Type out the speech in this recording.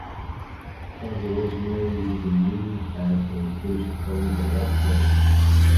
Currently Rosemary uses the move as a finisher calling it The Red Wedding.